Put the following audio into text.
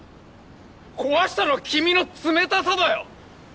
壊したのは君の冷たさだよ！